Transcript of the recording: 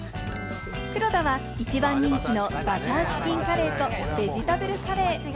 黒田は、一番人気のバターチキンカレーとベジタブルカレー。